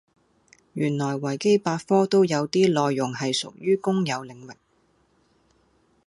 原來維基百科都有啲內容係屬於公有領域